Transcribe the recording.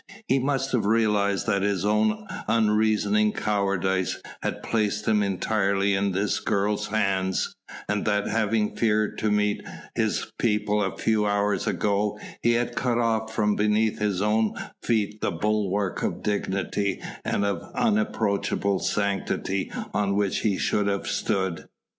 He must have realised that his own unreasoning cowardice had placed him entirely in this girl's hands, and that having feared to meet his people a few hours ago, he had cut off from beneath his own feet the bulwark of dignity and of unapproachable sanctity on which he should have stood.